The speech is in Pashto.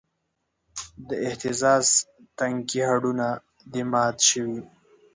د اهتزاز تنکي هډونه دې مات شوی